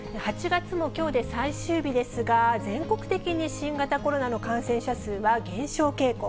８月もきょうで最終日ですが、全国的に新型コロナの感染者数は減少傾向。